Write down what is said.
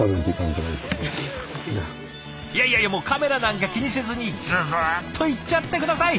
いやいやいやもうカメラなんか気にせずにズズっといっちゃって下さい。